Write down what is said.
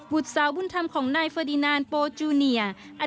วุฒิสาวบุญธรรมของนายเฟอดินานโปจูเนียร์